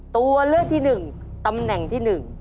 ตัวเลือดที่หนึ่งตำแหน่งที่หนึ่ง